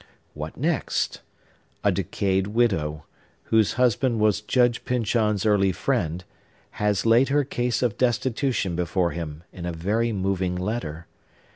What next? A decayed widow, whose husband was Judge Pyncheon's early friend, has laid her case of destitution before him, in a very moving letter.